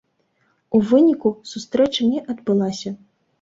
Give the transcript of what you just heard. У выніку, сустрэча не адбылася.